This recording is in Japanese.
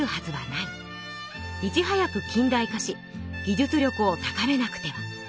いちはやく近代化し技術力を高めなくては」。